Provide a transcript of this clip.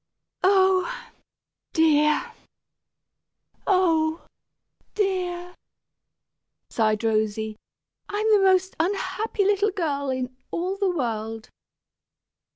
"Oh! dear, oh! dear," sighed Rosy, "I'm the most unhappy little girl in all the world."